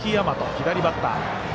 左バッター。